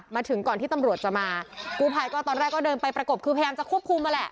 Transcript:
มาถึงก่อนที่ตำรวจจะมากูภัยก็ตอนแรกก็เดินไปประกบคือพยายามจะควบคุมมาแหละ